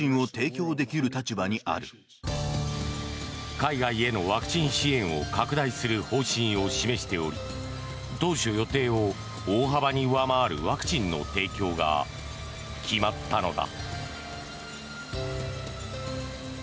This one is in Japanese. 海外へのワクチン支援を拡大する方針を示しており当初予定を大幅に上回るワクチンの提供が決まったのだ。